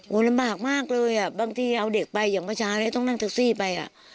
ลำบากมากเลยอ่ะบางทีเอาเด็กไปอย่างเมื่อเช้านี้ต้องนั่งแท็กซี่ไปอ่ะ